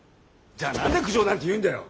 じゃあ何で苦情なんて言うんだよ！